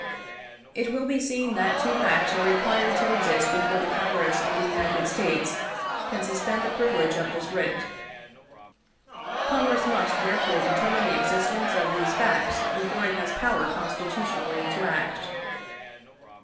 It will be seen that two facts are required to exist before the Congress of the United States can suspend the privilege of this writ. Congress must, therefore, determine the existence of these facts before it has power constitutionally to act.